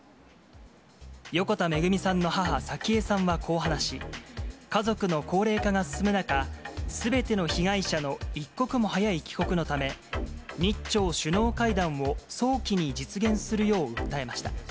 横田めぐみさんの母、早紀江さんはこう話し、家族の高齢化が進む中、すべての被害者の一刻も早い帰国のため、日朝首脳会談を早期に実現するよう訴えました。